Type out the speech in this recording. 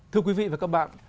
thưa quý vị và các bạn